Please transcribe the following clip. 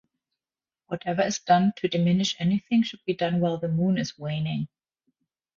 Whatever is done to diminish anything should be done while the moon is waning.